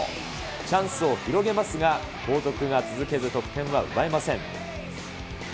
チャンスを広げますが、後続が続けず、得点は奪えません。